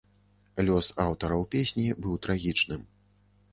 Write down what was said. Лёс аўтараў песні быў трагічным.